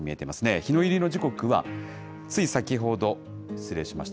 日の入りの時刻は、つい先ほど、失礼しました、